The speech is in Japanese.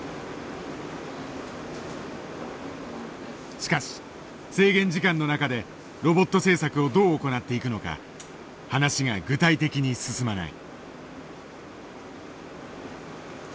しかし制限時間の中でロボット製作をどう行っていくのか話が具体的に進まない。